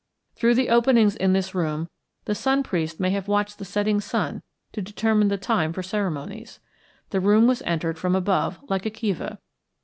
Through the openings in this room the sun priest may have watched the setting sun to determine the time for ceremonies. The room was entered from above, like a kiva.